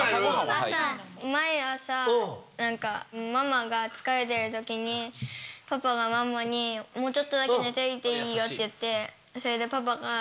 朝毎朝何かママが疲れてる時にパパがママに「もうちょっとだけ寝てていいよ」って言ってそれでパパが。